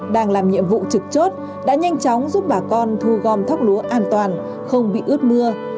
đang làm nhiệm vụ trực chốt đã nhanh chóng giúp bà con thu gom thóc lúa an toàn không bị ướt mưa